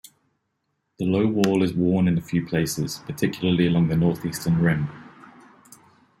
The low wall is worn in a few places, particularly along the northeastern rim.